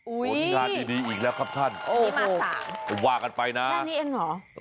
โอ้โหนี่งานดีอีกแล้วครับท่านว่ากันไปนะแค่นี้เองเหรอ